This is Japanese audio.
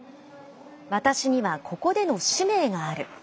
私にはここでの使命がある。